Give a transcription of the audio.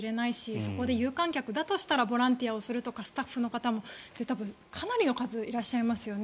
そこで有観客だとしたらボランティアの方とかスタッフの方もかなりの数の方がいらっしゃいますよね。